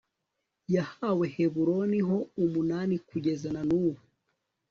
yahawe heburoni ho umunani kugeza na n'ubu